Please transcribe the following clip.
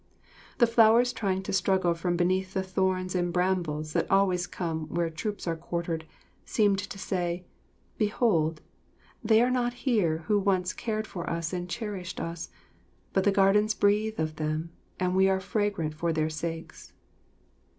The flowers trying to struggle from beneath the thorns and brambles that always come where troops are quartered, seemed to say, "Behold, they are not here who once have cared for us and cherished us, but the gardens breathe of them and we are fragrant for their sakes."